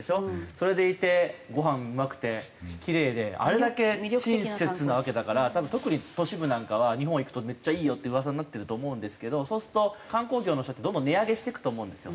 それでいてごはんうまくてキレイであれだけ親切なわけだから特に都市部なんかは日本行くとめっちゃいいよって噂になってると思うんですけどそうすると観光業の人ってどんどん値上げしていくと思うんですよ。